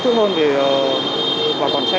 chúng tôi đã nhắc khách hàng rất nhiều